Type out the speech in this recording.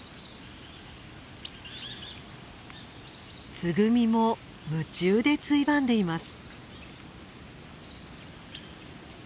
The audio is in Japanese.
ツグミも夢中でついばんでいます。